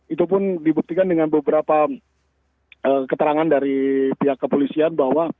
itu pun dibuktikan dengan beberapa keterangan dari pihak kepolisian bahwa